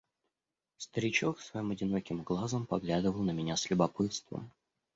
Старичок своим одиноким глазом поглядывал на меня с любопытством.